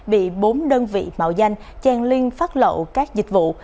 bị bốn đơn vị mạo danh chèn linh phát lậu các dịch vụ